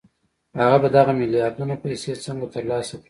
هغه به دغه میلیاردونه پیسې څنګه ترلاسه کړي